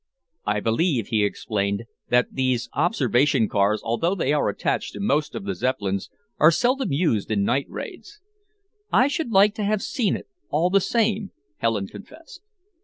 "I believe," he explained, "that these observation cars, although they are attached to most of the Zeppelins, are seldom used in night raids." "I should like to have seen it, all the same," Helen confessed.